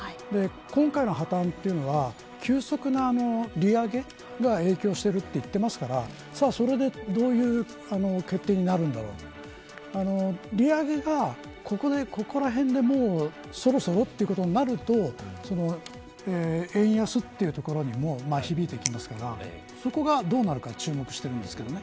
今回の破綻というのは急速な利上げが影響しているといってますからそれでどういう決定になるんだろうと利上げが、ここらへんでもうそろそろということになると円安というところにも響いてきますからそこがどうなるか注目しているんですけどね。